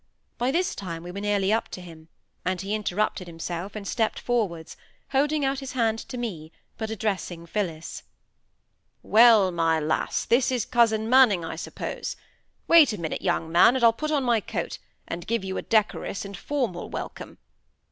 By this time we were nearly up to him; and he interrupted himself and stepped forwards; holding out his hand to me, but addressing Phillis. "Well, my lass, this is cousin Manning, I suppose. Wait a minute, young man, and I'll put on my coat, and give you a decorous and formal welcome.